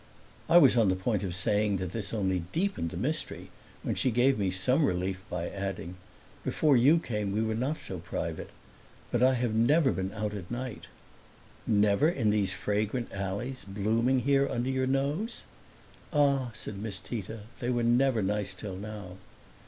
I was on the point of saying that this only deepened the mystery when she gave me some relief by adding, "Before you came we were not so private. But I never have been out at night." "Never in these fragrant alleys, blooming here under your nose?" "Ah," said Miss Tita, "they were never nice till now!"